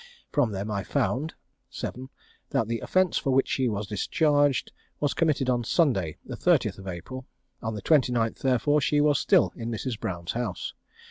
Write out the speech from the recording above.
From them I found 7. That the offence for which she was discharged was committed on Sunday, the 30th of April. On the 29th, therefore, she was still in Mrs. Brown's house.